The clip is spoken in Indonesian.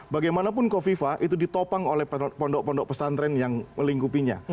bagaimanapun kofifa itu ditopang oleh pondok pondok pesantren yang melingkupinya